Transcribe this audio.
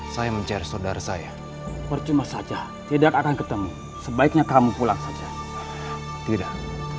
saya mencari saudara saya percuma saja tidak akan ketemu sebaiknya kamu pulang saja tidak